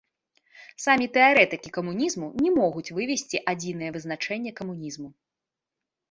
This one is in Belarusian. Самі тэарэтыкі камунізму не могуць вывесці адзінае вызначэнне камунізму.